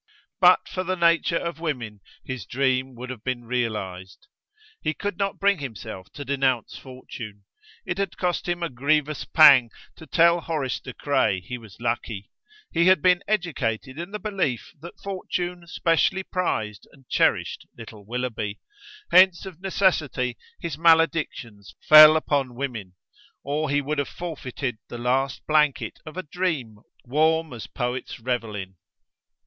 But for the nature of women his dream would have been realized. He could not bring himself to denounce Fortune. It had cost him a grievous pang to tell Horace De Craye he was lucky; he had been educated in the belief that Fortune specially prized and cherished little Willoughby: hence of necessity his maledictions fell upon women, or he would have forfeited the last blanket of a dream warm as poets revel in.